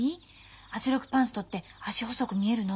「圧力パンストって脚細く見えるの？」